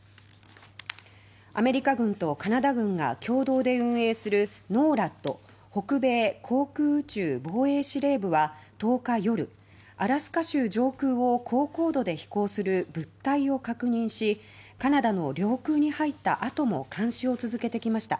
アメリカ軍とカナダ軍が共同で運営するＮＯＲＡＤ・北米航空宇宙防衛司令部は１０日夜、アラスカ州上空を高高度で飛行する物体を確認しカナダの領空に入った後も監視を続けてきました。